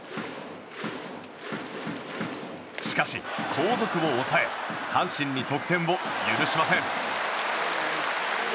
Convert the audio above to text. しかし、後続を抑え阪神に得点を許しません。